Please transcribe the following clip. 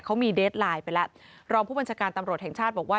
เขามีเดสไลน์ไปแล้วรองผู้บัญชาการตำรวจแห่งชาติบอกว่า